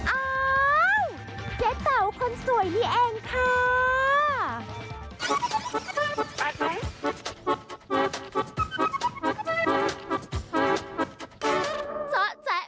อายเจ๊แต๋วคนสวยนี่เองค่ะ